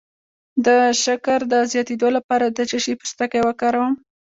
د شکر د زیاتیدو لپاره د څه شي پوستکی وکاروم؟